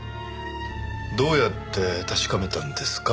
どうやって確かめたんですか？